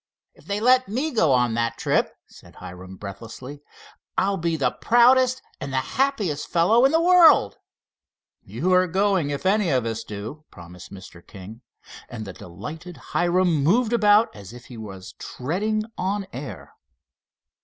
"If they let me go on that trip," said Hiram, breathlessly, "I'll be the proudest and the happiest fellow in the world." "You are going, if any of us do," promised Mr. King, and the delighted Hiram moved about as if he was treading on air.